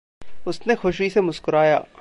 उसने खुशी से मुस्कुराया।